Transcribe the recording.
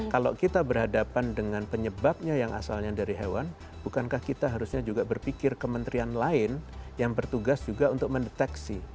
kalau kita berhadapan dengan penyebabnya yang asalnya dari hewan bukankah kita harusnya juga berpikir kementerian lain yang bertugas juga untuk mendeteksi